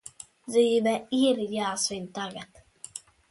Dzīve ir jāsvin tagad!